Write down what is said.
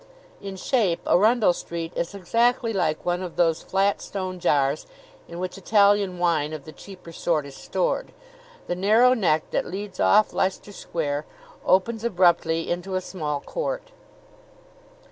In shape Arundell Street is exactly like one of those flat stone jars in which Italian wine of the cheaper sort is stored. The narrow neck that leads off Leicester Square opens abruptly into a small court.